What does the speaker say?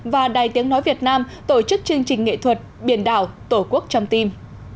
và đài tiếng nói việt nam tổ chức chương trình nghệ thuật biển đảo tổ quốc trong tim